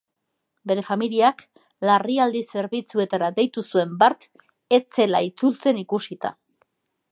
Bere familiak larrialdi zerbitzuetara deitu zuen bart, ez zela itzultzen ikusita.